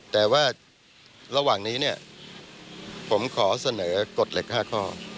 แต่ว่าระหว่างนี้เนี่ยผมขอเสนอกฎเหล็ก๕ข้อ